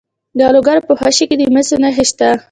د لوګر په خوشي کې د مسو نښې شته.